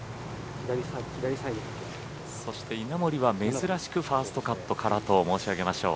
そして、稲森は珍しくファーストカットからと申し上げましょう。